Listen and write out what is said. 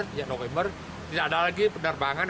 sejak november tidak ada lagi penerbangan